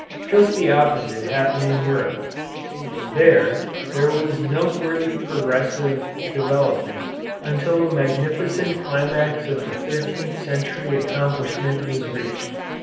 Just the opposite happened in Europe. There, there was noteworthy progressive development until the magnificent climax of thirteenth century accomplishment was reached.